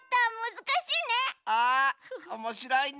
あおもしろいね！